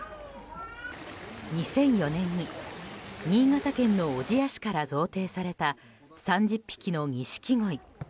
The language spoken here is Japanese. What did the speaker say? ２００４年に新潟県の小千谷市から贈呈された３０匹のニシキゴイ。